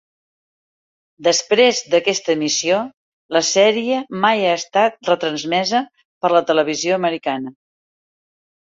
Després d'aquesta emissió, la sèrie mai ha estat retransmesa per la televisió americana.